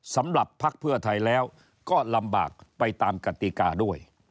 พักเพื่อไทยแล้วก็ลำบากไปตามกติกาด้วย